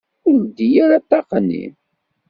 Ur leddi ara ṭṭaq-nni.